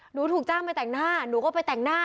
หนูถูกจ้างไปแต่งหน้าหนูก็ไปแต่งหน้า